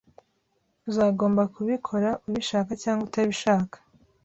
Uzagomba kubikora, ubishaka cyangwa utabishaka.